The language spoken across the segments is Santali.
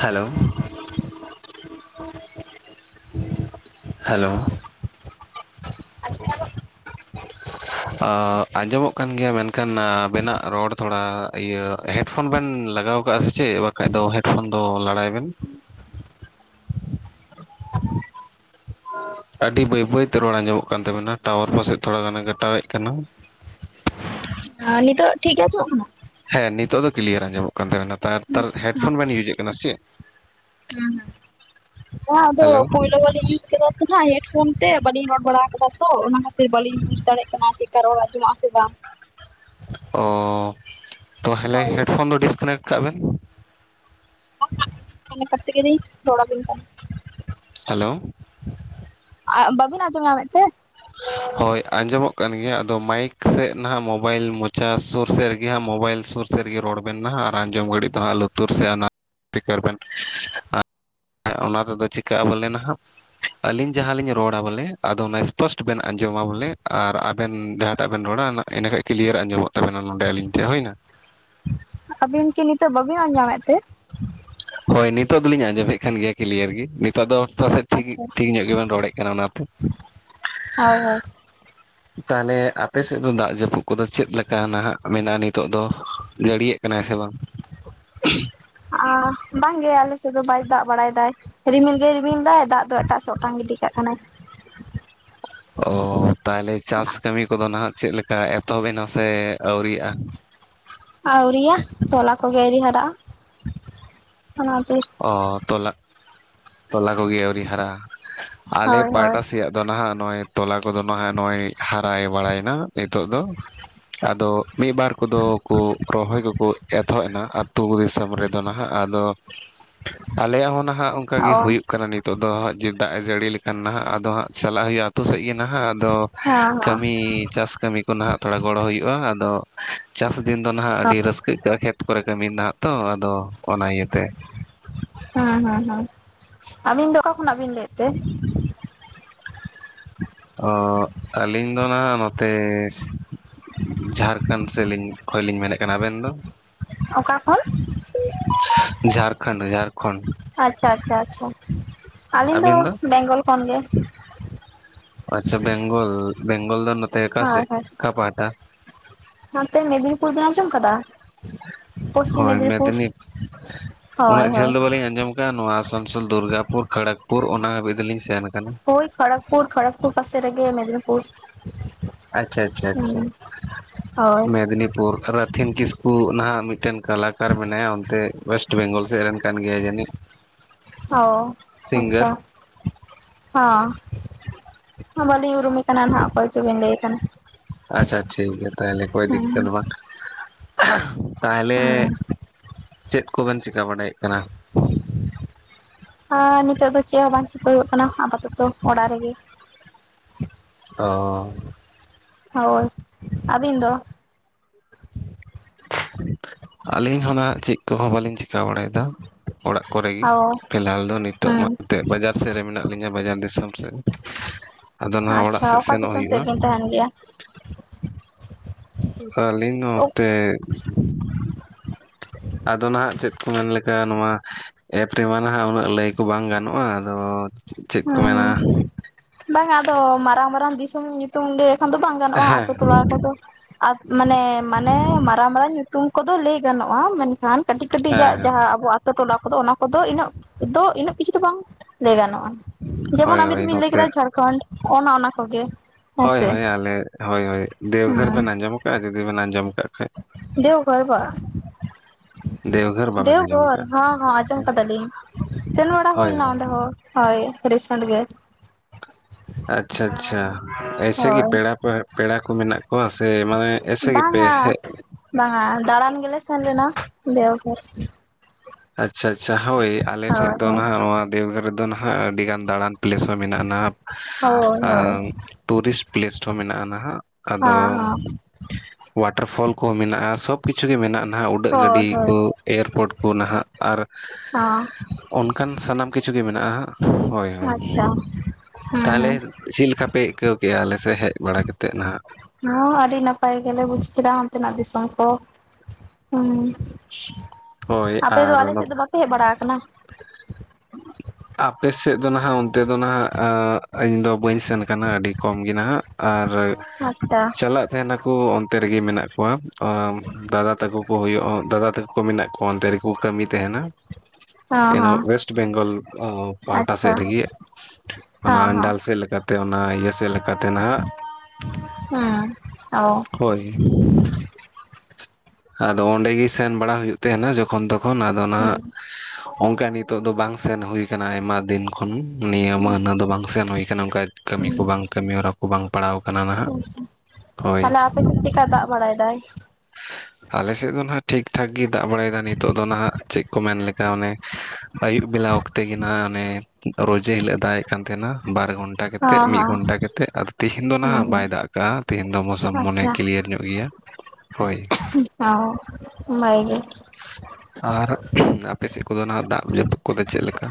Hello, [inaudible] hello. ᱟᱡᱚᱢ ᱧᱟᱢᱚᱻ [inaudible] ᱟᱻ ᱟᱸᱡᱚᱢᱚᱜ ᱠᱟᱱ ᱜᱮᱭᱟ, ᱢᱮᱱᱠᱷᱟᱱ ᱟᱵᱮᱱᱟ ᱨᱚᱲ ᱛᱷᱚᱲᱟ, ᱤᱭᱟᱹᱻᱻ ᱦᱮᱰᱯᱷᱳᱱ ᱵᱮᱱ ᱞᱟᱜᱟᱣ ᱟᱠᱟᱼᱟ ᱥᱮ ᱪᱮᱫ? ᱵᱟᱠᱷᱟᱡ ᱫᱚ ᱦᱮᱰᱯᱷᱳᱱ ᱫᱚ ᱞᱟᱲᱟᱭ ᱵᱮᱱ ᱾ [unintelligible] ᱟᱹᱰᱤ ᱵᱟᱹᱭ ᱵᱟᱹᱭᱛᱮ ᱨᱚᱲ ᱟᱸᱡᱚᱢᱚᱜ ᱠᱟᱱ ᱛᱟᱹᱵᱤᱱᱟ ᱴᱟᱣᱟᱨ ᱯᱟᱥᱮᱫ ᱛᱷᱚᱲᱟ ᱜᱟᱱᱮ ᱠᱟᱴᱟᱣᱮᱫ ᱠᱟᱱᱟ᱾ ᱟ ᱱᱤᱛᱚᱜ ᱴᱷᱤᱠ ᱜᱮ ᱟᱡᱚᱢᱚᱜ ᱠᱟᱱᱟ? ᱦᱮᱸ ᱱᱤᱛᱚᱜ ᱫᱚ ᱠᱞᱤᱭᱟᱨ ᱟᱸᱡᱚᱢᱚᱜ ᱠᱟᱱ ᱛᱟᱹᱵᱤᱱᱟ, ᱛᱟᱨᱛᱟᱨ ᱠᱟᱱᱟ? ᱦᱮᱰᱯᱷᱳᱱ ᱵᱮᱱ ᱤᱭᱩᱡᱮᱫ ᱠᱟᱱᱟ ᱥᱮ ᱪᱮᱫ? ᱦᱮᱸ ᱦᱮᱸ, ᱦᱚᱸ ᱟᱫᱚ ᱦᱮᱞᱳ ᱯᱳᱭᱞᱳ ᱵᱟᱨᱞᱤᱧ ᱤᱭᱩᱡ ᱠᱮᱫᱟ ᱛᱚ ᱦᱟᱸᱜ ᱦᱮᱰᱯᱷᱳᱱ ᱛᱮ ᱵᱟᱹᱞᱤᱧ ᱨᱚᱲ ᱵᱟᱲᱟ ᱠᱟᱫᱟ ᱛᱚ ᱚᱱᱟ ᱠᱷᱟᱹᱛᱤᱨ ᱵᱟᱹᱞᱤᱧ ᱵᱩᱡ ᱫᱟᱲᱮᱜ ᱠᱟᱱᱟ ᱪᱮᱫᱠᱟ ᱨᱚᱲ ᱟᱸᱡᱚᱢᱚᱜᱟ ᱥᱮ ᱵᱟᱝ? ᱚ, ᱛᱟᱦᱚᱞᱮ ᱦᱳᱭ ᱦᱮᱰᱯᱷᱳᱱ ᱫᱚ ᱰᱤᱥᱠᱟᱱᱮᱠᱴ ᱠᱟᱜ ᱵᱮᱱ᱾ [unintelligible] ᱠᱟᱛᱮ ᱜᱤᱞᱤᱥ ᱨᱚᱲ ᱟᱵᱤᱱ ᱠᱟᱱᱟ᱾ ᱦᱮᱞᱳ, ᱟᱜ ᱵᱟᱹᱵᱤᱱ ᱟᱡᱚᱢ ᱧᱟᱢ ᱮᱫ ᱛᱮ? ᱦᱳᱭ ᱟᱸᱡᱚᱢᱚᱜ ᱠᱟᱱ ᱜᱮᱭᱟ ᱟᱫᱚ ᱢᱟᱭᱤᱠ ᱥᱮᱫ ᱱᱟᱸᱜ ᱢᱳᱵᱟᱭᱤᱞ ᱢᱚᱪᱟ ᱥᱩᱨ ᱥᱮᱫ ᱨᱮᱜᱮ ᱦᱟᱸᱜ ᱢᱳᱵᱟᱭᱤᱞ ᱥᱩᱨ ᱥᱮ ᱨᱮᱜᱮ ᱨᱚᱲ ᱵᱮᱱ ᱦᱟᱸᱜ ᱟᱨ ᱟᱸᱡᱚᱢ ᱜᱷᱟᱹᱲᱤᱡ ᱫᱚ ᱦᱟᱸ ᱞᱩᱛᱩᱨ ᱥᱮᱫ ᱴᱤᱠᱟᱨ ᱵᱮᱱ᱾ ᱚᱱᱟ ᱛᱮᱫᱚ ᱪᱤᱠᱟᱹᱼᱟ ᱵᱚᱞᱮ ᱱᱟᱦᱟᱜ ᱟᱞᱤᱧ ᱡᱟᱦᱟᱸ ᱞᱤᱧ ᱨᱚᱲᱟ ᱵᱚᱞᱮ ᱟᱫᱚ ᱚᱱᱟ, ᱯᱳᱥᱴ ᱵᱮᱱ ᱟᱸᱡᱚᱢᱟ ᱵᱚᱞᱮ ᱟᱨ ᱟᱵᱮᱱ ᱡᱟᱦᱟᱸᱴᱟᱜ ᱵᱮᱱ ᱨᱚᱲᱟ ᱱᱟᱜ ᱤᱱᱟᱹ ᱠᱷᱟᱱ ᱠᱞᱤᱭᱟᱨ ᱟᱸᱡᱚᱢᱚᱜ ᱛᱟᱵᱮᱱᱟ ᱱᱚᱸᱰᱮ ᱟᱞᱤᱧᱴᱷᱮᱱ ᱦᱩᱭᱱᱟ᱾ ᱟᱹᱵᱤᱱ ᱠᱤ ᱱᱤᱛᱚᱜ ᱵᱟᱹᱵᱤᱱ ᱟᱸᱡᱚᱢᱮᱫ ᱛᱮ? ᱦᱳᱭ ᱱᱤᱛᱚᱜ ᱫᱚᱞᱤᱧ ᱟᱸᱡᱚᱢᱮᱫ ᱠᱟᱱ ᱜᱮᱭᱟ ᱠᱞᱤᱭᱟᱨ ᱜᱮ᱾ [unintelligible] ᱴᱷᱤᱠ ᱟᱪᱪᱷᱟ ᱴᱷᱤᱠ ᱧᱚᱜ ᱜᱮᱵᱮᱱ ᱨᱚᱲᱮᱫ ᱠᱟᱱᱟ ᱚᱱᱟᱛᱮ᱾ ᱦᱳᱭ [inaudible] ᱛᱟᱦᱚᱞᱮ ᱟᱯᱮᱥᱮᱫ ᱫᱚ ᱫᱟᱜ ᱡᱟᱹᱯᱩᱫ ᱠᱚᱫᱚ ᱪᱮᱫ ᱞᱮᱠᱟ ᱱᱟᱦᱟᱜ ᱢᱮᱱᱟᱜᱼᱟ ᱱᱤᱛᱚᱜ ᱫᱚ ᱡᱟᱹᱲᱤᱭᱮᱫ ᱠᱟᱱᱟᱭ ᱥᱮ ᱵᱟᱝ? ᱟᱸ ᱵᱟᱝ ᱜᱮ ᱟᱞᱮ ᱥᱮᱫ ᱫᱚ ᱵᱟᱭ ᱫᱟᱜ ᱵᱟᱲᱟᱭ ᱫᱟᱭ ᱨᱤᱢᱤᱞ ᱜᱮ ᱨᱤᱢᱤᱞ ᱫᱟᱭ᱾ ᱫᱟᱜ ᱫᱚ ᱮᱴᱟᱜ ᱥᱮᱱ ᱚᱴᱟᱝ ᱜᱤᱰᱤ ᱠᱟᱜ ᱠᱟᱱᱟᱭ᱾ ᱚᱻ ᱛᱟᱦᱚᱞᱮ ᱪᱟᱥ ᱠᱟᱹᱢᱤ ᱠᱚᱫᱚ ᱱᱟᱦᱟᱜ ᱪᱮᱫ ᱞᱮᱠᱟ ᱮᱛᱚᱦᱚᱵ ᱮᱱᱟ ᱥᱮ ᱟᱹᱣᱨᱤᱭᱟᱜᱼᱟ? ᱟᱣᱨᱤᱭᱟ ᱛᱚᱞᱟ ᱠᱚᱜᱮ ᱟᱹᱣᱨᱤ ᱦᱟᱨᱟᱜᱼᱟ᱾ ᱚᱱᱟ ᱠᱷᱟᱛᱤᱨ᱾ ᱚᱻ ᱛᱚᱞᱟ, ᱛᱚᱞᱟ ᱠᱚᱜᱮ ᱟᱹᱣᱨᱤ ᱦᱟᱨᱟ-ᱟ ᱟᱞᱮ ᱦᱳᱭ ᱦᱳᱭ ᱯᱟᱦᱴᱟ ᱥᱮᱫ ᱫᱚ ᱱᱟᱦᱟᱜ ᱱᱚᱜᱼᱚᱭ ᱛᱚᱞᱟ ᱠᱚᱫᱚ ᱱᱟᱦᱟᱜ ᱱᱚᱜᱼᱚᱭ ᱦᱟᱨᱟᱭ ᱵᱟᱲᱟᱭᱮᱱᱟ ᱱᱤᱛᱚᱜ ᱫᱚ᱾ ᱟᱫᱚ ᱢᱤᱫ ᱵᱟᱨ ᱠᱚᱫᱚ ᱠᱚ ᱨᱚᱦᱚᱭ ᱠᱚᱠᱚ ᱮᱛᱚᱦᱚᱵ ᱮᱱᱟ ᱟᱹᱛᱩᱳ ᱫᱤᱥᱚᱢ ᱨᱮᱫᱚ᱾ ᱱᱟᱦᱟᱜ ᱟᱫᱚ, ᱟᱞᱮᱭᱟᱜ ᱦᱚᱸ ᱱᱟᱦᱟᱜ ᱚᱱᱠᱟ ᱜᱮ ᱚ ᱦᱩᱭᱩᱜ ᱠᱟᱱᱟ ᱱᱤᱛᱚᱜ ᱫᱚ ᱦᱟᱸᱜ ᱡᱮ ᱫᱟᱜ ᱮ ᱡᱟᱹᱲᱤ ᱞᱮᱠᱷᱟᱱ ᱱᱟᱦᱟᱜ ᱟᱫᱚ ᱦᱟᱸᱜ ᱪᱟᱞᱟᱜ ᱦᱩᱭᱩᱜᱼᱟ ᱟᱛᱳ ᱥᱮᱫ ᱜᱮ ᱱᱟᱦᱟᱜ ᱟᱫᱚ᱾ ᱦᱮᱸ ᱠᱟᱹᱢᱤ ᱪᱟᱥ ᱠᱟᱹᱢᱤ ᱠᱚ ᱱᱟᱦᱟᱜ ᱛᱷᱚᱲᱟ ᱜᱚᱲᱚ ᱦᱩᱭᱩᱜᱼᱟ ᱟᱫᱚ, ᱪᱟᱥ ᱫᱤᱱ ᱫᱚ ᱱᱟᱦᱟᱜ ᱦᱮᱸ ᱟᱹᱰᱤ ᱨᱟᱹᱥᱠᱟᱹᱼᱟ ᱠᱷᱮᱛ ᱠᱚᱨᱮ ᱠᱟᱹᱢᱤ ᱱᱟᱦᱟᱜ ᱛᱚ ᱟᱫᱚ ᱚᱱᱟ ᱤᱭᱟᱹᱛᱮ᱾ ᱦᱩᱸ ᱦᱩᱸ ᱦᱩᱸ, ᱟᱹᱵᱤᱱ ᱫᱚ ᱚᱠᱟ ᱠᱷᱚᱱᱟᱜ ᱵᱤᱱ ᱞᱟᱹᱭᱮᱫ ᱛᱮ? ᱚ, ᱟᱹᱞᱤᱧ ᱫᱚ ᱱᱟᱦᱟᱜ ᱱᱚᱛᱮᱥ, ᱡᱷᱟᱲᱠᱷᱚᱸᱰ ᱥᱮᱞᱤᱧ ᱠᱷᱚᱭ ᱞᱤᱧ ᱢᱮᱱᱮᱫ ᱠᱟᱱᱟ ᱟᱵᱮᱱ ᱫᱚ? ᱚᱠᱟ ᱠᱷᱚᱱ? ᱡᱷᱟᱲᱠᱷᱟᱸᱰ ᱡᱷᱟᱲᱠᱷᱚᱱᱰ᱾ ᱟᱪᱪᱷᱟ ᱟᱪᱪᱷᱟ ᱟᱪᱷᱟ, ᱟᱹᱞᱤᱧ ᱫᱚ ᱵᱮᱝᱜᱚᱞ ᱠᱷᱚᱱ ᱜᱮ᱾ ᱟᱪᱪᱷᱟ ᱵᱮᱝᱜᱚᱞ, ᱵᱮᱝᱜᱚᱞ ᱫᱚ ᱱᱚᱛᱮ ᱟᱠᱟ ᱥᱮᱫ ᱚᱠᱟ ᱯᱟᱦᱟᱴᱟ᱾ ᱦᱟᱱᱛᱮ ᱢᱮᱫᱽᱱᱤᱯᱩᱨ ᱵᱮᱱ ᱟᱸᱡᱚᱢ ᱠᱟᱫᱟ᱾ ᱯᱚᱥᱪᱤᱢ ᱦᱳᱭ ᱢᱮᱫᱽᱱᱤᱯᱩᱨ ᱢᱮᱫᱽᱱᱤ, ᱦᱳᱭ ᱩᱱᱟᱹᱜ ᱡᱷᱟᱹᱞ ᱦᱳᱭ ᱫᱚ ᱵᱟᱹᱞᱤᱧ ᱟᱸᱡᱚᱢ ᱱᱚᱣᱟ ᱟᱥᱟᱱᱥᱳᱞ ᱫᱩᱨᱜᱟᱯᱩᱨ ᱠᱷᱟᱲᱟᱜᱽᱯᱩᱨ ᱚᱱᱟ ᱦᱟᱹᱵᱤᱡ ᱫᱚᱞᱤᱧ ᱥᱮᱱ ᱠᱟᱱᱟ᱾ ᱦᱳᱭ ᱠᱷᱚᱲᱚᱜᱽᱯᱩᱨ ᱠᱷᱚᱲᱚᱜᱽᱯᱩᱨ ᱯᱟᱥᱮ ᱨᱮᱜᱮ ᱢᱮᱫᱽᱱᱤᱯᱩᱨ᱾ ᱟᱪᱪᱷᱟ ᱟᱪᱪᱷᱟ ᱟᱪᱪᱷᱟ, ᱦᱩᱸ ᱦᱳᱭ ᱢᱮᱫᱽᱱᱤᱯᱩᱨ᱾ ᱛᱷᱤᱱ ᱠᱤᱥᱠᱩ ᱱᱟᱦᱟᱜ ᱢᱤᱫᱴᱮᱱ ᱠᱟᱞᱟᱠᱟᱨ ᱢᱮᱱᱟᱭᱟ ᱚᱱᱛᱮ ᱚᱳᱭᱮᱥᱴ ᱵᱮᱝᱜᱚᱞ ᱥᱮᱡ ᱨᱮᱱ ᱠᱟᱱ ᱜᱮᱭᱟᱭ ᱡᱟᱹᱱᱤᱡ? ᱚ, ᱥᱤᱝᱜᱟᱨ ᱟᱪᱪᱷᱟ᱾ ᱦᱟᱸ ᱵᱟᱹᱞᱤᱧ ᱩᱨᱩᱢᱤᱮ ᱠᱟᱱᱟ ᱱᱟᱦᱟᱜ ᱚᱠᱚᱭ ᱪᱚᱵᱤᱱ ᱞᱟᱹᱭᱮ ᱠᱟᱱᱟ᱾ ᱟᱪᱪᱷᱟ ᱴᱷᱤᱠ ᱜᱮᱭᱟ ᱛᱟᱦᱚᱞᱮ ᱠᱳᱭ ᱫᱤᱠᱠᱚᱛ ᱦᱩᱸ ᱵᱟᱝ, ᱛᱟᱦᱚᱞᱮ, ᱦᱩᱸ ᱪᱮᱫ ᱠᱚᱵᱮᱱ ᱪᱮᱠᱟ ᱵᱟᱲᱟᱭᱮᱫ ᱠᱟᱱᱟ᱾ ᱟᱨ ᱱᱤᱛᱚᱜ ᱫᱚ ᱪᱮᱫ ᱦᱚᱸ ᱵᱟᱝ ᱪᱤᱠᱠᱟ ᱦᱩᱭᱩᱜ ᱠᱟᱱᱟ ᱟᱯᱟᱛᱚᱛᱚ ᱚᱲᱟᱜ ᱨᱮᱜᱮ᱾ ᱚᱻ ᱦᱳᱭ ᱟᱹᱵᱤᱱ ᱫᱚ? ᱟᱹᱞᱤᱧ ᱦᱚᱸ ᱪᱮᱫ ᱠᱚᱦᱚᱸ ᱵᱟᱞᱤᱧ ᱪᱤᱠᱟᱹ ᱵᱟᱲᱟᱭᱮᱫᱟ, ᱚᱲᱟᱜ ᱠᱚᱨᱮ ᱜᱮ ᱚ ᱯᱷᱤᱞᱦᱟᱞ ᱫᱚ ᱱᱤᱛᱚᱜ ᱢᱟ ᱦᱩᱸ ᱮᱱᱛᱮᱫ ᱵᱟᱡᱟᱨ ᱥᱮᱫ ᱨᱮ ᱢᱮᱱᱟᱜ ᱞᱤᱧᱟᱹ ᱵᱟᱡᱟᱨ ᱫᱤᱥᱚᱢ ᱥᱮᱫ, ᱟᱫᱚ ᱱᱚᱣᱟ ᱚᱲᱟᱜ ᱟᱪᱪᱷᱟ ᱥᱮᱫ ᱚᱠᱟ ᱥᱮᱱᱚᱜ ᱫᱤᱥᱚᱢ ᱦᱩᱭᱩᱜᱼᱟ᱾ ᱥᱮᱫ ᱵᱤᱱ ᱛᱟᱦᱮᱱ ᱜᱮᱭᱟ ᱟᱹᱞᱤᱧ ᱱᱚᱛᱮ ᱦ [unintelligible] ᱟᱫᱚ ᱱᱟᱦᱜ ᱪᱮᱫ ᱠᱚ ᱢᱮᱱ ᱞᱮᱠᱟ ᱱᱚᱣᱟᱼᱼ ᱮᱯ ᱨᱮᱢᱟ ᱱᱟᱦᱟᱜ ᱩᱱᱟᱹᱜ ᱞᱟᱹᱭ ᱠᱚ ᱵᱟᱝ ᱜᱟᱱᱚᱜᱼᱟ ᱟᱫᱚᱼᱼ ᱦᱮᱸ ᱵᱟᱝ ᱟᱫᱚ ᱢᱟᱨᱟᱝ ᱢᱟᱨᱟᱝ ᱫᱤᱥᱚᱢ ᱧᱩᱛᱩᱢ ᱞᱮᱠᱷᱟᱱ ᱫᱚ ᱵᱟᱝᱼᱼ ᱜᱟᱱᱚᱜᱼᱟ ᱟᱛᱳ ᱦᱮᱸ ᱴᱚᱞᱟ ᱠᱚᱫᱚ ᱟ ᱢᱟᱱᱮ ᱢᱟᱱᱮ ᱢᱟᱨᱟᱝ ᱢᱟᱨᱟᱝ ᱧᱩᱛᱩᱢ ᱠᱚᱫᱚ ᱞᱟᱹᱭ ᱜᱟᱱᱚᱜᱼᱟ ᱢᱮᱱᱠᱷᱟᱱ? ᱠᱟᱹᱴᱤᱡ ᱠᱟᱹᱴᱤᱡ ᱡᱟᱜ ᱦᱮᱸ ᱡᱟᱦᱟᱸ ᱟᱵᱚ ᱟᱹᱛᱩ ᱴᱚᱞᱟ ᱠᱚᱫᱚ ᱚᱱᱟ ᱠᱚᱫᱚ ᱤᱱᱟᱹᱜ ᱫᱚ ᱤᱱᱟᱹᱜ ᱠᱤᱪᱷᱩ ᱫᱚ ᱵᱟᱝ ᱞᱟᱹᱭ ᱜᱟᱱᱚᱜᱼᱟ᱾ ᱡᱮᱢᱚᱱ ᱦᱳᱭ ᱟᱵᱤᱱ ᱦᱳᱭ ᱵᱤᱱ ᱞᱟᱹᱭ ᱱᱚᱛᱮ ᱠᱮᱫᱟ ᱡᱷᱟᱲᱠᱷᱚᱱᱰ ᱚᱱ ᱚᱱᱟ ᱠᱚᱜᱮ ᱦᱳᱭ ᱦᱮᱸᱥᱮ ᱦᱳᱭ ᱟᱞᱮ ᱦᱳᱭ ᱦᱳᱭ ᱫᱮᱣᱜᱷᱚᱨ ᱵᱮᱱ ᱟᱸᱡᱚᱢ ᱠᱟᱜᱼᱟ ᱡᱩᱫᱤ ᱵᱮᱱ ᱟᱸᱡᱚᱢ ᱠᱟᱜ ᱫᱮᱣ ᱜᱷᱚᱲᱚᱨ ᱵᱟ ᱫᱮᱣᱜᱷᱚᱨ ᱵᱟᱵᱮᱱ ᱟᱸᱡᱚᱢ ᱫᱮᱣᱜᱷᱚᱨ ᱟᱠᱟᱜᱼᱟ ᱦᱸ ᱦᱸ ᱟᱸᱡᱚᱢ ᱠᱟᱫᱟᱞᱤᱧ ᱥᱮᱱ ᱵᱟᱲᱟ ᱦᱳᱭ ᱦᱳᱭ ᱦᱩᱭᱞᱮᱱᱟ ᱚᱸᱰᱮ ᱦᱚᱸ ᱦᱳᱭ ᱨᱤᱥᱮᱱᱴ ᱜᱮ ᱟᱪᱪᱷᱟ ᱟᱪᱪᱷᱟ ᱮᱭᱥᱮ ᱦᱳᱭ ᱯᱮᱲᱟ ᱯᱮᱲᱟ ᱠᱚ ᱢᱮᱱᱟᱜ ᱠᱚᱣᱟ ᱥᱮ ᱢᱟᱱᱮ ᱮᱭᱥᱮ ᱵᱟᱝᱟ ᱜᱮᱯᱮ ᱦᱮᱡ ᱵᱟᱝᱼᱟ ᱫᱟᱬᱟᱱ ᱜᱮᱞᱮ ᱥᱮᱱ ᱞᱮᱱᱟ ᱫᱮᱣᱜᱷᱚᱨ ᱟᱪᱪᱷᱟ ᱟᱪᱪᱷᱟ ᱦᱳᱭ ᱟᱞᱮᱴᱷᱮᱡ ᱦᱳᱭ ᱫᱚ ᱦᱳᱭ ᱱᱟᱦᱟᱜ ᱱᱚᱣᱟ ᱫᱮᱣᱜᱷᱚᱨ ᱨᱮᱫᱚ ᱱᱟᱦᱟᱜ ᱟᱹᱰᱤ ᱜᱟᱱ ᱫᱟᱬᱟᱱᱼᱼ ᱯᱞᱮᱥ ᱦᱚᱸ ᱢᱮᱱᱟᱜᱼᱟ ᱟᱱᱟ ᱦᱳᱭ ᱦᱳᱭ ᱴᱩᱨᱤᱥᱴ ᱯᱞᱮᱥ ᱦᱚᱸ ᱢᱮᱱᱟᱜᱼᱟ ᱱᱟᱦᱟᱜ, ᱟᱫᱚ ᱦᱚᱸ [inaudible] ᱣᱟᱴᱟᱨ ᱯᱷᱚᱞ ᱠᱚᱦᱚᱸ ᱢᱮᱱᱟᱜᱼᱟ ᱥᱚᱵ ᱠᱤᱪᱷᱩ ᱜᱮ ᱢᱮᱱᱟᱜᱼᱟ ᱱᱟᱦᱟᱜ ᱩᱰᱟᱹᱜ ᱜᱟᱹᱰᱤ ᱦᱚᱸ ᱦᱳᱭ ᱦᱳᱭ ᱠᱚ ᱮᱭᱟᱨᱯᱳᱨᱴ ᱠᱚ ᱱᱟᱦᱟᱜᱼᱼ ᱟᱨ ᱦᱚᱸ ᱚᱱᱠᱟᱱ ᱥᱟᱱᱟᱢ ᱠᱤᱪᱷᱩ ᱜᱮ ᱢᱮᱱᱟᱜᱼᱟ ᱦᱳᱭ, ᱟᱪᱪᱷᱟ ᱦᱩᱸ ᱛᱟᱦᱚᱞᱮ ᱦᱩᱸ ᱪᱮᱫ ᱞᱮᱠᱟ ᱯᱮ ᱟᱹᱭᱠᱟᱹᱣ ᱠᱮᱜᱼᱟ ᱟᱞᱮ ᱥᱮᱫ ᱦᱮᱡ ᱵᱟᱲᱟ ᱠᱟ ᱠᱟᱛᱮᱮᱫ ᱱᱟᱦᱱᱟᱜ ᱦᱮ ᱟᱹᱰᱤ ᱱᱟᱯᱟᱭ ᱜᱮᱞᱮ ᱵᱩᱡᱽ ᱠᱮᱫᱟ ᱚᱱᱛᱮᱱᱟᱜ ᱫᱤᱥᱚᱢ ᱠᱚ᱾ ᱦᱳᱭ ᱦᱮᱸ ᱟᱯᱮ ᱫᱚ ᱟᱨ ᱟᱞᱮ ᱱᱚᱛᱮ ᱥᱮᱫ ᱫᱚ ᱵᱟᱯᱮ ᱦᱮᱡ ᱵᱟᱲᱟ ᱟᱠᱟᱱᱟ ᱟᱯᱮ ᱥᱮᱫ ᱫᱚ ᱱᱟᱦᱟᱜ ᱚᱱᱛᱮ ᱫᱚ ᱱᱟᱦᱟᱜ ᱤᱧ ᱫᱚ ᱵᱟᱹᱧ ᱥᱮᱱ ᱠᱟᱱᱟ ᱟᱹᱰᱤ ᱠᱚᱢ ᱜᱮ ᱱᱟᱦᱟᱜ ᱟᱨ ᱟᱪᱪᱷᱟ ᱪᱟᱞᱟᱜᱼᱼ ᱛᱟᱦᱮᱱᱟ ᱠᱚ ᱚᱱᱛᱮ ᱨᱮᱜᱮ ᱢᱮᱱᱟᱜ ᱠᱚᱣᱟ ᱫᱟᱫᱟ ᱛᱟᱠᱚ ᱠᱚ ᱦᱩᱭᱩᱜᱼᱟ ᱫᱟᱫᱟ ᱛᱟᱠᱚ ᱠᱚ ᱢᱮᱱᱟᱜ ᱠᱚᱣᱟ ᱚᱱᱛᱮ ᱨᱮᱠᱚ ᱠᱟᱹᱢᱤ ᱛᱟᱦᱮᱱᱟ ᱦᱚᱸ ᱮᱱ ᱦᱚᱸ ᱚᱳᱭᱮᱥᱴ ᱵᱮᱝᱜᱚᱞ ᱯᱟᱦᱴᱟ ᱟᱪᱪᱷᱟ ᱥᱮᱫ ᱦᱚᱸ ᱨᱮᱜᱤ ᱚᱱᱟ ᱦᱚᱸ ᱟᱱᱰᱟᱞ ᱥᱮᱫ ᱞᱮᱠᱟᱛ ᱛᱮ ᱚᱱᱟ ᱤᱭᱟᱹ ᱥᱮᱫ ᱞᱮᱠᱟᱛᱮ ᱱᱟᱦᱟᱜ ᱦᱚᱸ ᱚ ᱦᱳᱭ ᱟᱫᱚ ᱚᱸᱰᱮ ᱜᱮ ᱥᱮᱱ ᱵᱟᱲᱟ ᱦᱩᱭᱩᱜ ᱛᱟᱦᱮᱱᱟ ᱡᱚᱠᱷᱚᱱ ᱛᱚᱠᱷᱚᱱ ᱟᱫᱚ ᱱᱟᱜᱼᱼ ᱦᱩᱸ ᱚᱱᱠᱟ ᱱᱤᱛᱳᱜ ᱫᱚ ᱵᱟᱝ ᱥᱮᱱ ᱦᱩᱭ ᱠᱟᱱᱟ ᱟᱭᱢᱟ ᱫᱤᱱ ᱛᱚᱠᱷᱚᱱ ᱱᱤᱭᱟᱹ ᱢᱟᱹᱦᱱᱟᱹ ᱫᱚ ᱵᱟᱝ ᱥᱮᱱ ᱦᱩᱭ ᱠᱟᱱᱟ ᱚᱱᱠᱟ ᱠᱟᱹᱢᱤ ᱠᱚ ᱵᱟᱝ ᱠᱟᱹᱢᱤ ᱦᱚᱨᱟ ᱠᱚ ᱵᱟᱝ ᱯᱟᱲᱟᱣ ᱠᱟᱱᱟ ᱱᱟᱦᱟᱜ ᱦᱩᱸ ᱟᱪᱪᱷᱟ ᱦᱳᱭ, ᱛᱟᱦᱞᱮ ᱟᱯᱮ ᱥᱮᱫ ᱪᱮᱫᱠᱟ ᱫᱟᱜ ᱵᱟᱲᱟᱭ ᱫᱟᱭ ᱟᱞᱮ ᱥᱮᱫ ᱫᱚ ᱦᱟᱸᱜ ᱴᱷᱤᱠ ᱴᱷᱟᱠ ᱜᱮ ᱫᱟᱜ ᱵᱟᱲᱟᱭ ᱮᱫᱟ ᱱᱤᱛᱚᱜ ᱫᱚ ᱦᱟᱸᱜ ᱪᱮᱫ ᱠᱚ ᱢᱮᱱ ᱞᱮᱠᱟ ᱚᱱᱮ ᱟᱭᱭᱩᱵ ᱵᱮᱞᱟ ᱚᱠᱛᱮ ᱜᱮ ᱱᱟ-ᱜ ᱚᱱᱮ ᱨᱚᱡᱮᱹ ᱦᱤᱞᱳᱜ ᱮ ᱫᱟᱜ ᱮᱫ ᱠᱟᱱ ᱛᱟᱦᱮᱱᱟ ᱵᱟᱨ ᱟ ᱜᱷᱚᱱᱴᱟ ᱠᱟᱛᱮᱫ ᱦᱚᱸ ᱢᱤᱫ ᱦᱚᱸ ᱜᱷᱚᱱᱴᱟ ᱠᱟᱛᱮᱫ ᱟᱫᱚ ᱛᱤᱦᱤᱧ ᱫᱚ ᱦᱩᱸ ᱱᱟᱦᱟᱜ ᱦᱩᱸ ᱵᱟᱭ ᱫᱟᱜ ᱠᱟᱜᱼᱟ ᱛᱤᱦᱤᱧ ᱫᱚ ᱢᱳᱥᱟᱢ ᱢᱚᱱᱮ ᱟᱪᱪᱷᱟ ᱠᱤᱞᱤᱭᱟᱨ ᱧᱚᱜ ᱜᱮᱭᱟ᱾ ᱦᱳᱭ ᱚ ᱵᱷᱟᱜᱮ ᱜᱮ ᱟᱨ ᱟᱯᱮ ᱥᱮᱫ ᱠᱚᱫᱚ ᱱᱚᱣᱟ ᱫᱟᱜ ᱡᱟᱹᱯᱩᱫ ᱠᱚᱫᱚ ᱪᱮᱫ ᱞᱮᱠᱟ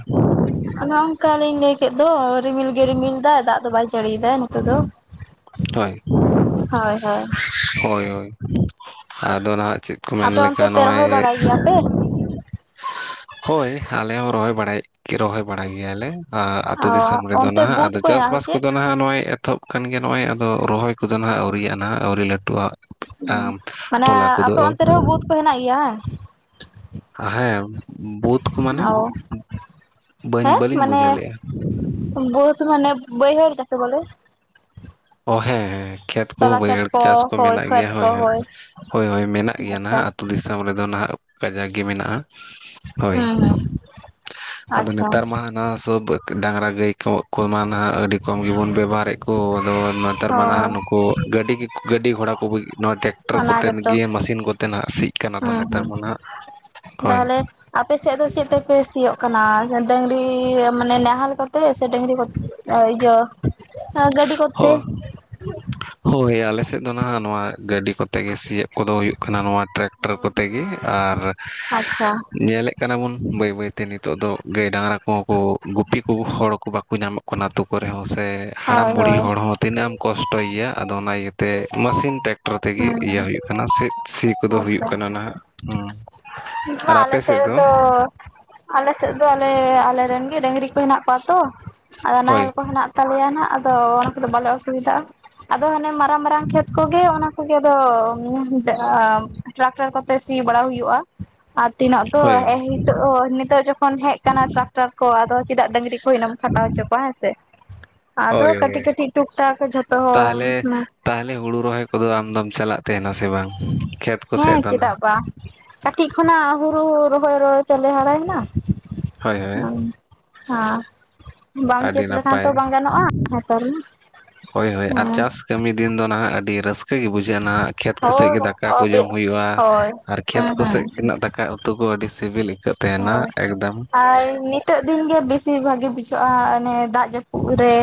ᱚᱱᱮ ᱚᱱᱠᱟ ᱞᱤᱧ ᱞᱟᱹᱭ ᱠᱮᱫ ᱫᱚ ᱨᱤᱢᱤᱞ ᱜᱮ ᱨᱤᱢᱤᱞ ᱮᱫᱟ ᱫᱟᱜ ᱫᱚ ᱵᱟᱭ ᱡᱟᱹᱲᱤᱭᱮᱫᱟ ᱱᱤᱛᱳ ᱫᱚ ᱦᱳᱭ ᱦᱳᱭ ᱦᱳᱭ ᱾ ᱦᱳᱭ ᱦᱳᱭ, ᱟᱫᱚ ᱱᱟᱦᱟᱜ ᱪᱮᱫ ᱠᱚ ᱢᱮᱱ ᱟᱯᱮ ᱞᱮᱠᱟ ᱚᱱᱛᱮ ᱯᱮ ᱱᱚᱜᱼᱚᱭ ᱨᱚᱦᱚᱭ ᱵᱟᱲᱟᱭ ᱜᱮᱭᱟ ᱯᱮ ᱦᱳᱭ ᱟᱞᱮ ᱦᱚᱸ ᱨᱚᱦᱚᱭ ᱵᱟᱲᱟᱭ ᱨᱚᱦᱚᱭ ᱵᱟᱲᱟ ᱜᱮᱭᱟᱞᱮ, ᱟᱛᱩ ᱚ ᱫᱤᱥᱚᱢ ᱨᱮᱫᱚ ᱚᱱᱛᱮ ᱱᱟᱦᱟᱜ ᱵᱩᱫᱽ ᱟᱫᱚ ᱠᱚ ᱦᱮᱱᱟᱜᱼᱟ ᱪᱟᱥᱵᱟᱥ ᱥᱮ ᱪᱮᱫ ᱠᱚᱫᱚ ᱱᱟᱦᱟᱜ ᱱᱚᱜᱼᱚᱭ ᱮᱛᱚᱦᱚᱵ ᱠᱟᱱ ᱜᱮᱭᱟ ᱱᱚᱜᱼᱚᱭ, ᱟᱫᱚ ᱨᱚᱦᱚᱭ ᱠᱚᱫᱚ ᱱᱟᱦᱟᱜ ᱟᱹᱣᱨᱤᱭᱟᱜ ᱱᱟᱦᱟᱜ ᱟᱹᱣᱨᱤ ᱞᱟᱹᱴᱩᱣᱟᱜ᱾ ᱢᱟᱱᱮ ᱟᱯᱮ ᱚᱱᱛᱮ ᱨᱮᱦᱚᱸ ᱵᱩᱫ ᱠᱚ ᱦᱮᱱᱟᱜ ᱜᱮᱭᱟ? ᱦᱮᱸ ᱵᱩᱫ ᱠᱚ ᱢᱟᱱᱮ ᱚ ᱵᱟᱹᱧ ᱦᱮᱸ ᱵᱟᱹᱞᱤᱧ ᱢᱟᱱᱮ ᱵᱩᱡᱷᱟᱹᱣ ᱞᱮᱫᱼᱟ ᱵᱚᱫ ᱢᱟᱱᱮ ᱵᱟᱹᱭᱦᱟᱹᱲ ᱡᱟᱛᱮ ᱵᱚᱞᱮ, ᱚ ᱦᱮᱸ ᱦᱮᱸ ᱠᱷᱮᱛ ᱛᱚᱞᱟ ᱠᱷᱮᱛ ᱵᱟᱹᱭᱦᱟᱹᱲ ᱪᱟᱥ ᱠᱚ ᱦᱳᱭ ᱢᱮᱱᱟᱜ ᱜᱮᱭᱟ ᱠᱷᱮᱛ ᱠᱚ ᱦᱳᱭ ᱦᱳᱭ ᱦᱳᱭ ᱢᱮᱱᱟᱜ ᱜᱮᱭᱟ ᱱᱟᱜ ᱟᱪᱪᱷᱟ ᱟᱹᱛᱩ ᱫᱤᱥᱚᱢ ᱨᱮᱫᱚ ᱱᱟᱦᱟᱜ ᱠᱟᱡᱟᱠ ᱜᱮ ᱢᱮᱱᱟᱜᱼᱟ᱾ ᱦᱳᱭ ᱦᱩᱸ ᱦᱩᱸ ᱟᱫᱚ ᱟᱪᱪᱷᱟ ᱱᱮᱛᱟᱨ ᱢᱟ ᱚᱱᱟ ᱥᱟᱵ ᱰᱟᱝᱨᱟ ᱜᱟᱹᱭ ᱠᱚ ᱠᱚᱢᱟ ᱱᱟᱦᱟᱜ ᱟᱹᱰᱤ ᱠᱚᱢ ᱜᱮᱵᱚᱱ ᱵᱮᱵᱷᱟᱦᱟᱨ ᱮᱫ ᱠᱚᱣᱟ᱾ ᱟᱫᱚ ᱱᱮᱛᱟᱨ ᱢᱟ ᱱᱟᱦᱟᱜ ᱦᱳᱭ ᱱᱩᱠᱩ ᱜᱟᱹᱰᱤ ᱜᱟᱹᱰᱤ ᱜᱷᱚᱲᱟ ᱠᱚ ᱱᱚᱣᱟ ᱴᱮᱠᱴᱚᱨ ᱚᱱᱟ ᱠᱚᱛᱮ ᱜᱮᱛᱚ ᱜᱮ ᱢᱮᱥᱤᱱ ᱠᱚᱛᱮ ᱛᱮᱱᱟᱜ ᱥᱤᱜ ᱠᱟᱱᱟ ᱛᱚ ᱦᱩᱸ ᱱᱮᱛᱟᱨ ᱦᱩᱸ ᱢᱟ ᱱᱟᱜ ᱦᱳᱭ᱾ ᱛᱟᱦᱚᱞᱮ ᱟᱯᱮ ᱥᱮᱫ ᱫᱚ ᱪᱮᱫ ᱛᱮᱯᱮ ᱥᱤᱭᱳᱜ ᱠᱟᱱᱟ ᱰᱟᱹᱝᱨᱤ ᱢᱟᱱᱮ ᱱᱟᱦᱮᱞ ᱠᱟᱛᱮ ᱥᱮ ᱰᱟᱹᱝᱨᱤ ᱠᱚᱛᱮ? ᱚᱭ ᱤᱭᱟ ᱜᱟᱹᱰᱤ ᱠᱚᱛᱮ [unintelligible] ᱦᱳᱭ ᱟᱞᱮ ᱥᱮᱫ ᱫᱚ ᱱᱟᱦᱟᱜ ᱱᱚᱣᱟ ᱜᱟᱹᱰᱤ ᱠᱚᱛᱮ ᱜᱮ ᱥᱤᱭᱚᱜ ᱠᱚᱫᱚ ᱦᱩᱭᱩᱜ ᱠᱟᱱᱟ ᱱᱚᱣᱟ ᱴᱨᱮᱠ- ᱠᱴᱟᱨ ᱠᱚᱛᱮ ᱜᱮ, ᱟᱨ ᱟᱪᱪᱷᱟ ᱧᱮᱞᱮᱫ ᱠᱟᱱᱟ ᱵᱚᱱ ᱵᱟᱹᱭ ᱵᱟᱹᱭᱛᱮ ᱱᱤᱛᱚᱜ ᱫᱚ ᱜᱟᱹᱭ ᱰᱟᱝᱨᱟ ᱠᱚᱦᱚᱸ ᱠᱚ ᱜᱩᱯᱤ ᱠᱚ ᱦᱚᱲ ᱠᱚ ᱵᱟᱠᱚ ᱧᱟᱢᱚᱜ ᱠᱟᱱᱟ ᱾ ᱟᱛᱳ ᱠᱚᱨᱮ ᱦᱚᱸ ᱥᱮ ᱦᱳᱭ ᱦᱟᱲᱟᱢ ᱵ ᱦᱳᱭ ᱛᱤᱱᱟᱹᱜ ᱮᱢ ᱠᱚᱥᱴᱚᱭᱮᱭᱟ ᱟᱫᱚ ᱚᱱᱟ ᱤᱭᱟᱹᱛᱮ ᱢᱮᱥᱤᱱ ᱴᱠ ᱴᱮᱠᱴᱟᱨ ᱛᱮᱜᱮ ᱦᱩᱸ ᱤᱭᱟᱹ ᱦᱩᱭᱩᱜ ᱠᱟᱱᱟ ᱥᱤ ᱠᱚᱫᱚ ᱦᱩᱭᱩᱜ ᱟᱪᱪᱷᱟ ᱠᱟᱱᱟ ᱱᱟ᱾ ᱱᱤᱛ ᱢᱟ ᱟᱨ ᱟᱞᱮ ᱟᱯᱮ ᱥᱮᱫ ᱫᱚ? ᱨᱮᱫᱚ ᱟᱞᱮ ᱥᱮᱫ ᱫᱚ ᱟᱞᱮ ᱟᱞᱮᱨᱮᱱ ᱜᱮ ᱰᱟᱹᱝᱨᱤ ᱠᱚ ᱦᱮᱱᱟᱜ ᱠᱚᱣᱟ ᱛᱚ ᱟᱫᱚ ᱦᱳᱭ ᱱᱟᱦᱮᱞ ᱠᱚ ᱦᱮᱱᱟᱜ ᱛᱟᱞᱮᱭᱟ ᱱᱟᱱᱟᱜ ᱟᱫᱚ ᱚᱱᱟ ᱠᱚᱫᱚ ᱵᱟᱞᱮ ᱚᱥᱩᱵᱤᱫᱟᱜᱼᱟ, ᱟᱫᱚ ᱦᱟᱱᱮ ᱢᱟᱨᱟᱝ ᱢᱟᱨᱟᱝ ᱠᱷᱮᱛ ᱠᱚᱜᱮ ᱚᱱᱟ ᱩᱱᱠᱩ ᱜᱮ ᱟᱫᱚ ᱴᱨᱟᱠᱴᱟᱨ ᱠᱚᱛᱮ ᱥᱤ ᱵᱟᱲᱟ ᱦᱩᱭᱩᱜᱼᱟ᱾ ᱟᱨ ᱛᱤᱱᱟᱹᱜ ᱫᱚ ᱦᱳᱭ ᱱᱤᱛᱳᱜ ᱱᱤᱛᱳᱜ ᱡᱚᱠᱷᱚᱱ ᱦᱮᱡ ᱟᱠᱟᱱᱟ ᱴᱨᱟᱠᱴᱟᱨ ᱠᱚ, ᱟᱫᱚ ᱪᱮᱫᱟᱜ ᱰᱟᱹᱝᱨᱤ ᱠᱚ ᱤᱱᱟᱹᱢ ᱠᱷᱟᱴᱟᱣ ᱦᱚᱪᱚ ᱠᱚᱣᱟ ᱦᱮᱸ ᱥᱮ᱾ ᱟᱫᱚ ᱦᱳᱭ ᱠᱟᱹᱴᱤᱡ ᱦᱳᱭ ᱠᱟᱹᱴᱤᱡ ᱴᱩᱠ ᱴᱟᱠ ᱡᱚᱛᱚ ᱛᱟᱦᱚᱞᱮ ᱦᱚᱲ ᱛᱟᱦᱚᱞᱮ ᱦᱩᱲᱩ ᱨᱚᱦᱚᱭ ᱠᱚᱫᱚ ᱟᱢᱫᱢ ᱪᱟᱞᱟᱜ ᱛᱟᱦᱮᱱᱟ ᱥᱮ ᱵᱟᱝ? ᱠᱷᱮᱛ ᱦᱮᱸ ᱠᱚᱥᱮᱫ ᱫᱚ ᱪᱮᱫᱟᱜ ᱱᱟᱦᱟᱜ ᱵᱟᱝ᱾ ᱠᱟᱹᱴᱤᱡ ᱠᱷᱚᱱᱟᱜ ᱦᱩᱲᱩ ᱨᱚᱦᱚᱭ ᱨᱚᱦᱚᱭ ᱛᱮᱞᱮ ᱦᱟᱨᱟᱭᱮᱱᱟ᱾ ᱦᱳᱭ ᱦᱳᱭ ᱦᱮᱸ ᱵᱟᱢ ᱟᱹᱰᱤ ᱪᱮᱥ ᱞᱮᱠᱷᱟᱱ ᱱᱟᱯᱟᱭ ᱛᱚ ᱵᱟᱝ ᱜᱟᱱᱚᱜᱼᱟ ᱱᱮᱛᱟᱨ ᱦᱳᱭ ᱦᱳᱭ ᱟᱨ ᱢᱟ, ᱪᱟᱥ ᱠᱟᱹᱢᱤ ᱫᱤᱱ ᱫᱚ ᱱᱟᱦᱟᱜ ᱟᱹᱰᱤ ᱨᱟᱹᱥᱠᱟᱹᱜᱮ ᱵᱩᱡᱷᱟᱹᱜᱼᱟ ᱱᱟᱦᱟᱜ᱾ ᱠᱷᱮᱛ ᱠᱚᱥᱮᱫ ᱦᱳᱭ ᱜᱮ ᱫᱟᱠᱟ ᱠᱚ ᱡᱚᱢ ᱦᱩᱭᱩᱜᱼᱟ ᱦᱳᱭ ᱟᱨ ᱠᱷᱮᱛ ᱦᱮᱸ ᱦᱮᱸ ᱠᱚᱥᱮᱫ ᱫᱟᱠᱟ ᱩᱛᱩ ᱠᱚ ᱟᱹᱰᱤ ᱥᱤᱵᱤᱞᱤ ᱦᱚᱭ ᱟᱨ ᱢᱤᱫ ᱱᱤᱛᱟᱜ ᱫᱤᱱ ᱜᱮ ᱵᱮᱥᱤ ᱵᱷᱟᱜᱤ ᱵᱩᱡᱷᱟᱹᱜᱼᱟ ᱚᱱᱮ ᱫᱟᱜ ᱡᱟᱹᱯᱩᱫ ᱨᱮ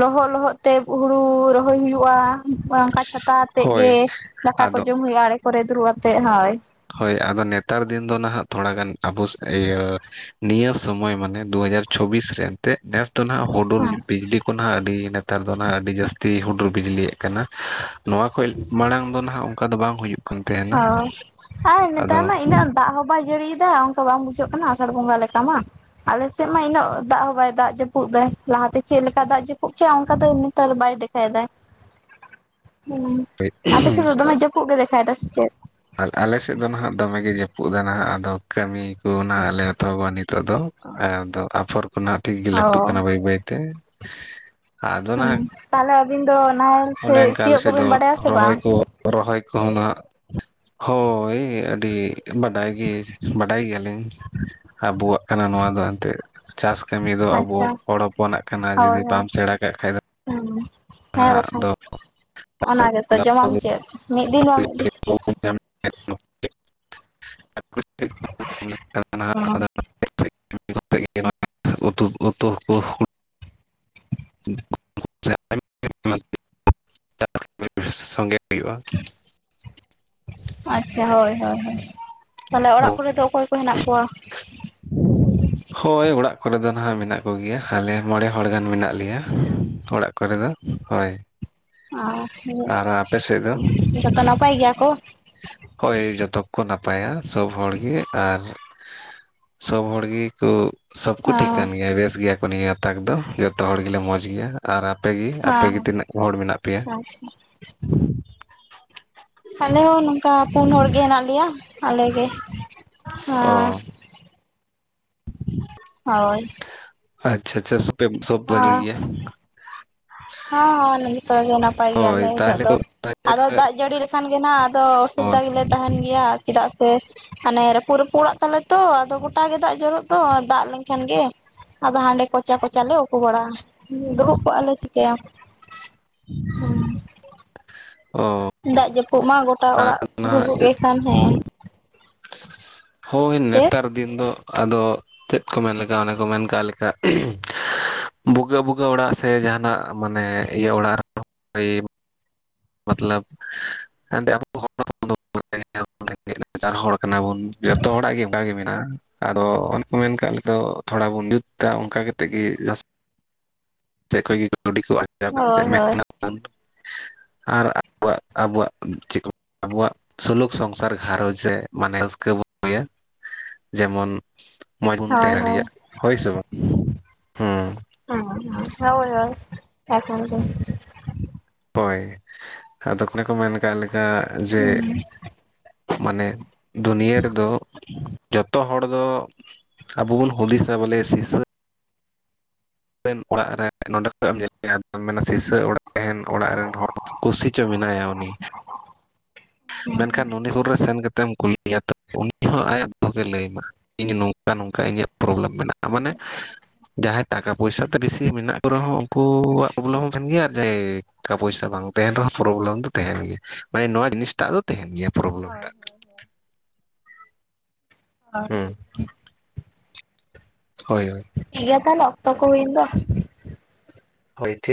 ᱞᱚᱦᱚᱫ ᱞᱚᱦᱚᱫ ᱛᱮ ᱦᱩᱲᱩ ᱨᱚᱦᱚᱭ ᱦᱩᱭᱩᱜᱼᱟ᱾ ᱚᱱᱠᱟ ᱪᱷᱟᱛᱟ ᱟᱛᱮᱜ ᱦᱳᱭ ᱜᱮ ᱫᱟᱠᱟ ᱠᱚ ᱟᱫᱚ ᱡᱚᱢ ᱦᱩᱭᱩᱜᱼᱟ ᱟᱲᱮ ᱠᱚᱨᱮ ᱫᱩᱲᱩᱵ ᱟᱛᱮᱜ ᱦᱳᱭ᱾ ᱦᱳᱭ ᱟᱫᱚ ᱱᱮᱛᱟᱨ ᱫᱤᱱ ᱫᱚ ᱱᱟᱦᱟᱜ ᱛᱷᱚᱲᱟᱜᱟᱱ ᱟᱵᱚ ᱤᱭᱟᱹ ᱱᱤᱭᱟᱹ ᱥᱚᱢᱚᱭ ᱢᱟᱱᱮ ᱫᱩ ᱦᱟᱡᱟᱨ ᱪᱷᱚᱵᱤᱥ ᱨᱮ ᱮᱱᱛᱮ ᱱᱮᱥ ᱫᱚ ᱱᱟᱦᱟᱜ ᱦᱩᱰᱩᱨ ᱦᱮᱸ ᱵᱤᱡᱽᱞᱤ ᱠᱚ ᱱᱟᱦᱟᱜ ᱟᱹᱰᱤ ᱱᱮᱛᱟᱨ ᱫᱚ ᱱᱟᱦᱟᱜ ᱟᱹᱰᱤ ᱡᱟᱹᱥᱛᱤ ᱦᱩᱰᱩᱨ ᱵᱤᱡᱽᱞᱤᱭᱮᱫ ᱠᱟᱱᱟ, ᱱᱚᱣᱟ ᱠᱷᱚᱱ ᱢᱟᱲᱟᱝ ᱫᱚ ᱱᱟᱦᱟᱜ ᱚᱠᱟ ᱫᱚ ᱵᱟᱝ ᱦᱩᱭᱩᱜ ᱠᱟᱱ ᱛᱟᱦᱮᱱᱟ᱾ ᱦᱳᱭ ᱟᱨ ᱱᱮᱛᱟᱨ ᱟᱫᱚ ᱢᱟ ᱩᱱᱟᱹᱜ ᱫᱟᱜ ᱦᱚᱸ ᱵᱟᱭ ᱡᱟᱹᱲᱤᱭᱮᱫᱟ ᱚᱱᱠᱟ ᱵᱟᱝ ᱵᱩᱡᱷᱟᱹᱜ ᱠᱟᱱᱟ ᱟᱥᱟᱲ ᱵᱚᱸᱜᱟ ᱞᱮᱠᱟ ᱢᱟ᱾ ᱟᱞᱮᱥᱮᱫ ᱢᱟ ᱤᱱᱟᱹᱜ ᱫᱟᱜ ᱦᱚᱸ ᱵᱟᱭ ᱫᱟᱜ ᱡᱟᱹᱯᱩᱫ ᱫᱟ, ᱞᱟᱦᱟᱛᱮ ᱪᱮᱫ ᱞᱮᱠᱟ ᱫᱟᱜ ᱡᱟᱹᱯᱩᱫ [unintelligible] ᱚᱱᱠᱟ ᱫᱚ ᱱᱮᱛᱟᱨ ᱵᱟᱭ ᱫᱮᱠᱟᱭ ᱮᱫᱟᱭ ᱦᱩᱸ ᱟᱯᱮ ᱥᱮᱫ ᱫᱚ ᱫᱚᱢᱮ ᱡᱟᱹᱯᱩᱫᱼᱼ [unintelligible] ᱜᱮ ᱫᱮᱠᱷᱟ ᱫᱟᱭ ᱥᱮ ᱪᱮᱫ? ᱟᱞᱮ ᱥᱮᱫ ᱫᱚ ᱱᱟᱦᱟᱜ ᱫᱚᱢᱮ ᱜᱮ ᱡᱟᱹᱯᱩᱫ ᱮᱫᱟ ᱱᱟᱦᱟᱜ ᱟᱫᱚ ᱠᱟᱹᱢᱤ ᱠᱚ ᱱᱟᱜ ᱟᱞᱮ ᱮᱛᱚᱦᱚᱵᱼᱟ ᱱᱤᱛᱚᱜ ᱫᱚ ᱟᱫᱚ ᱟᱯᱷᱚᱨ ᱠᱚ ᱱᱟᱜ ᱴᱷᱤᱠ ᱜᱮ ᱚ ᱞᱟᱹᱴᱩᱜ ᱠᱟᱱᱟ ᱵᱟᱹᱭ ᱵᱟᱹᱭ ᱛᱮ ᱟᱫᱚ ᱦᱩᱸ ᱱᱟᱦᱟᱜᱼᱼ ᱛᱟᱦᱚᱞᱮ ᱟᱵᱤᱱ ᱫᱚ ᱱᱟᱦᱮᱞ ᱥᱮ ᱟᱞᱮ ᱥᱤᱭᱚᱜ ᱠᱚ ᱥᱮᱫ ᱫᱚ ᱵᱤᱱ ᱵᱟᱰᱟᱭᱟ ᱥᱮ ᱵᱟᱝ? ᱨᱚᱦᱚᱭ ᱠᱚ ᱦᱚᱸ ᱱᱟᱦᱟᱜ ᱦᱳᱭ ᱟᱹᱰᱤ ᱵᱟᱰᱟᱭ ᱜᱮ ᱵᱟᱰᱟᱭ ᱜᱮᱭᱟ ᱞᱤᱧ ᱟᱵᱚᱣᱟᱜ ᱠᱟᱱᱟ ᱱᱚᱣᱟ ᱫᱚ ᱮᱱᱛᱮᱫ ᱪᱟᱥ ᱠᱟᱹᱢᱤ ᱫᱚ ᱟᱵᱚ ᱟᱪᱪᱷᱟ ᱦᱚᱲ ᱦᱚᱯᱚᱱᱟᱜ ᱠᱟᱱᱟ ᱡᱚᱫᱤ ᱵᱟᱢ ᱥᱮᱬᱟ ᱠᱟᱜ ᱠᱷᱟᱡ ᱫᱚᱼᱼ ᱦᱮᱸ ᱦᱮᱸ ᱵᱟᱝ ᱠᱷᱟᱱ ᱚᱱᱟ ᱜᱮᱛᱚ ᱡᱚᱢᱟᱢ ᱪᱮᱫ ᱢᱤᱫ ᱫᱤᱱ ᱵᱟᱝ ᱢᱤᱫ ᱫᱤᱱ [unintelligible] ᱚ [unintelligible] ᱩᱛᱩ ᱩᱛᱩ ᱠᱚ [unintelligible] ᱥᱚᱸᱜᱮ ᱦᱩᱭᱩᱜᱼᱟ᱾ ᱟᱪᱪᱷᱟ ᱦᱚᱭ ᱦᱚᱭ ᱦᱚᱭ ᱛᱟᱦᱞᱮ ᱚᱲᱟᱜ ᱠᱚ ᱨᱮ ᱫᱚ ᱚᱠᱚᱭ ᱠᱚ ᱦᱮᱱᱟᱜ ᱠᱚᱣᱟ? ᱦᱳᱭ ᱚᱲᱟᱜ ᱠᱚ ᱨᱮ ᱫᱚ ᱱᱟᱦᱟᱜ ᱢᱮᱱᱟᱜ ᱠᱚ ᱜᱮᱭᱟ ᱟᱞᱮ ᱢᱚᱬᱮ ᱦᱚᱲ ᱜᱟᱱ ᱢᱮᱱᱟᱜ ᱞᱮᱭᱟ ᱚᱲᱟᱜ ᱠᱚ ᱨᱮ ᱫᱚ ᱦᱳᱭ᱾ ᱚ ᱦᱮᱸ ᱟᱨ ᱟᱯᱮ ᱡᱚᱛᱚ ᱱᱟᱯᱟᱭ ᱜᱮᱭᱟ ᱠᱚ? ᱦᱚᱭ ᱡᱚᱛᱚ ᱠᱚ ᱱᱟᱯᱟᱭᱟ ᱥᱚᱵ ᱦᱚᱲ ᱜᱮ ᱟᱨ ᱥᱚᱵ ᱦᱚᱲ ᱜᱮᱠᱚ ᱥᱚᱵ ᱠᱚ ᱴᱷᱤᱠ ᱦᱚᱸ ᱠᱟᱱ ᱜᱮᱭᱟ ᱵᱮᱥ ᱜᱮᱭᱟ ᱠᱚ ᱱᱤᱭᱟᱹ ᱛᱟᱠ ᱫᱚ ᱡᱚᱛᱚ ᱦᱚᱲ ᱜᱮᱞᱮ ᱢᱚᱸᱡᱽ ᱜᱮᱭᱟ᱾ ᱟᱨ ᱟᱯᱮ ᱜᱮ ᱟᱯᱮ ᱜᱮ ᱦᱚᱸ ᱛᱤᱱᱟᱹᱜ ᱦᱚᱲ ᱢᱮᱱᱟᱜ ᱯᱮᱭᱟ? ᱟᱪᱪᱷᱟ ᱟᱞᱮ ᱦᱚᱸ ᱱᱚᱝᱠᱟ ᱯᱩᱱ ᱦᱚᱲ ᱜᱮ ᱦᱮᱱᱟᱜ ᱞᱮᱭᱟ ᱟᱞᱮ ᱜᱮ ᱦᱚᱸ ᱚ [unintelligible] ᱦᱚᱭ ᱟᱪᱪᱷᱟ ᱟᱪᱪᱷᱟ [unintelligible] ᱥᱚᱵ ᱵᱷᱟᱜᱤ ᱜᱮᱭᱟ᱾ ᱦᱚᱸ ᱦᱚᱸ [unintelligible] ᱱᱟᱯᱟᱭ ᱜᱮᱭᱟ ᱞᱮ ᱦᱳᱭ ᱱᱤᱛᱚᱜ ᱛᱟᱦᱚᱞᱮ ᱫᱚ ᱛᱟᱦᱚᱞᱮ ᱟᱫᱚ ᱫᱟᱜ ᱡᱟᱹᱲᱤ ᱞᱮᱠᱷᱟᱱ ᱜᱮ ᱱᱟᱦᱟᱜ ᱟᱫᱚ ᱚ ᱚᱥᱩᱵᱤᱫᱟ ᱜᱮᱞᱮ ᱛᱟᱦᱮᱱ ᱜᱮᱭᱟ᱾ ᱪᱮᱫᱟᱜ ᱥᱮ ᱦᱟᱱᱮ ᱨᱟᱹᱯᱩᱫ ᱨᱟᱹᱯᱩᱫ ᱚᱲᱟᱜ ᱛᱟᱞᱮ ᱛᱚ ᱟᱫᱚ ᱜᱚᱴᱟ ᱜᱮ ᱫᱟᱜ ᱡᱚᱨᱚᱜ ᱫᱚ ᱫᱟᱜ ᱞᱮᱱ ᱠᱷᱟᱱ ᱜᱮ ᱟᱫᱚ ᱦᱟᱸᱰᱮ ᱠᱚᱪᱟ ᱠᱚᱪᱟ ᱞᱮ ᱩᱠᱩ ᱵᱟᱲᱟᱜᱼᱟ᱾ ᱫᱩᱲᱩᱵ ᱠᱚᱜ ᱟᱞᱮ ᱪᱤᱠᱟᱭᱟᱢ ᱦᱮᱸ ᱚ ᱫᱟᱜ ᱡᱟᱹᱯᱩᱫ ᱢᱟ ᱜᱚᱴᱟ ᱟᱨ ᱚᱲᱟᱜ ᱱᱟᱦᱟᱜ ᱵᱷᱩᱜᱟᱜ ᱜᱮ ᱠᱷᱟᱱ ᱦᱮᱸ ᱦᱳᱭ ᱪᱮᱫ ᱱᱮᱛᱟᱨ ᱫᱤᱱ ᱫᱚ ᱟᱫᱚ ᱪᱮᱫ ᱠᱚ ᱢᱮᱱ ᱞᱮᱠᱟ ᱚᱱᱮ ᱠᱚ ᱢᱮᱱ ᱠᱟᱜ ᱞᱮᱠᱟ ᱵᱩᱜᱟᱹᱜᱼ ᱵᱩᱜᱟᱹᱜ ᱚᱲᱟᱜ ᱥᱮ ᱡᱟᱦᱟᱱᱟᱜ ᱢᱟᱱᱮ ᱤᱭᱟᱹ ᱚᱲᱟᱜ ᱨᱮᱦᱚᱸ ᱢᱚᱛᱞᱚᱵ [unintelligible] [unintelligible] ᱱᱟᱪᱟᱨ ᱦᱚᱲ ᱠᱟᱱᱟ ᱵᱚᱱ ᱡᱚᱛᱚ ᱦᱚᱲᱟᱜ ᱜᱮ ᱚᱱᱠᱟ ᱜᱮ ᱢᱮᱱᱟᱜᱼᱟ ᱟᱫᱚ ᱚᱱᱮ ᱠᱚ ᱢᱮᱱ ᱠᱟᱜ ᱞᱮᱠᱟ ᱛᱷᱚᱲᱟ ᱵᱚᱱ ᱡᱩᱛ ᱛᱟ ᱚᱱᱠᱟ ᱠᱟᱛᱮᱜ ᱜᱮ ᱡᱟᱹᱥ ᱪᱮᱫ ᱠᱷᱚᱡ ᱜᱮ ᱠᱟᱹᱣᱰᱤ ᱠᱚ ᱟᱨᱡᱟᱣ ᱠᱟᱛᱮ ᱦᱳᱭ ᱢᱮ ᱦᱳᱭ [unintelligible] ᱟᱨ ᱟᱵᱚᱣᱟᱜ ᱟᱵᱚᱣᱟᱜ ᱪᱮᱫ ᱠᱚ? ᱟᱵᱚᱣᱟᱜ ᱥᱩᱞᱩᱠ ᱥᱚᱝᱥᱟᱨ ᱜᱷᱟᱨᱚᱸᱡᱽ ᱡᱮ ᱢᱟᱱᱮ ᱨᱟᱹᱥᱠᱟᱹ ᱵᱚᱱ ᱟᱜᱩᱭᱟ᱾ ᱡᱮᱢᱚᱱ ᱢᱚᱸᱡᱽ ᱵᱚᱱ ᱦᱳᱭ ᱛᱟᱦᱮᱸ ᱦᱳᱭ ᱫᱟᱲᱮᱭᱟᱜ ᱦᱳᱭ ᱥᱮ ᱵᱟᱝ ᱦᱩᱸ ᱦᱩᱸ ᱦᱩᱸ ᱦᱚᱭ ᱦᱚᱭ [unintelligible] ᱦᱚᱭ ᱟᱫᱚ ᱠᱚ ᱚᱱᱮ ᱠᱚ ᱢᱮᱱ ᱠᱟᱜ ᱞᱮᱠᱟ ᱡᱮ ᱦᱩᱸ ᱢᱟᱱᱮ ᱫᱩᱱᱤᱭᱟᱹ ᱨᱮᱫᱚ ᱡᱚᱛᱚ ᱦᱚᱲ ᱫᱚ ᱟᱵᱚ ᱵᱚ ᱦᱩᱫᱤᱥᱟ ᱵᱚᱞᱮ ᱥᱤᱥᱟᱹ ᱟᱱ ᱚᱲᱟᱜ ᱨᱮ ᱱᱚᱸᱰᱮ ᱠᱷᱚᱡ ᱮᱢ ᱧᱮᱞᱭᱟ ᱟᱫᱚᱢ ᱢᱮᱱᱟ ᱥᱤᱥᱟᱹ ᱚᱲᱟᱜ ᱛᱟᱦᱮᱱ ᱚᱲᱟᱜ ᱨᱮᱱ ᱦᱚᱲ ᱠᱩᱥᱤ ᱪᱚ ᱢᱮᱱᱟᱭᱟ ᱩᱱᱤ ᱢᱮᱱ ᱠᱷᱟᱱ ᱩᱱᱤ ᱥᱩᱨ ᱨᱮ ᱥᱮᱱ ᱠᱟᱛᱮᱢ ᱠᱩᱞᱤᱭ ᱮᱭᱟ ᱛᱚ ᱩᱱᱤ ᱦᱚᱸ ᱟᱭᱟᱜ ᱫᱩᱠᱮ ᱞᱟᱹᱭ ᱢᱟ ᱤᱧ ᱱᱚᱝᱠᱟ ᱱᱚᱝᱠᱟ ᱤᱧᱟᱹᱜ ᱯᱨᱚᱵᱚᱞᱮᱢ ᱢᱮᱱᱟᱜᱼᱟ ᱢᱟᱱᱮ ᱡᱟᱦᱟᱸᱭ ᱴᱟᱠᱟ ᱯᱚᱭᱥᱟ ᱛᱮ ᱵᱤᱥᱤ ᱢᱮᱱᱟᱜ ᱠᱚ ᱨᱮᱦᱚᱸ ᱩᱱᱠᱩᱣᱟᱜ ᱯᱨᱚᱵᱚᱞᱮᱢ ᱦᱚᱸ ᱛᱟᱦᱮᱱ ᱜᱮᱭᱟ ᱡᱮ ᱴᱟᱠᱟ ᱯᱚᱭᱥᱟ ᱵᱟᱝ ᱛᱮᱦᱮᱱ ᱨᱮᱦᱚᱸ ᱯᱨᱚᱵᱚᱞᱮᱢ ᱫᱚ ᱛᱮᱦᱮᱱ ᱜᱮᱭᱟ᱾ ᱢᱟᱱᱮ ᱱᱚᱣᱟ ᱡᱤᱱᱤᱥ ᱴᱟᱜ ᱫᱚ ᱛᱮᱦᱮᱱ ᱜᱮᱭᱟ ᱯᱨᱚᱵᱚᱞᱮᱢ ᱦᱳᱭ ᱴᱟᱜ ᱫᱚ᱾ ᱦᱩᱸ᱾ ᱦᱳᱭ᱾ ᱦᱳᱭ ᱴᱷᱤᱠ ᱜᱮᱭᱟ ᱛᱟᱦᱞᱮ ᱚᱠᱚᱛ ᱠᱚ ᱦᱩᱭᱮᱱ ᱫᱚ᱾ ᱦᱳᱭ ᱴᱷᱤᱠ᱾